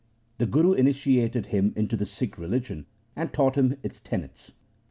The Guru initiated him into the Sikh religion and taught him its tenets.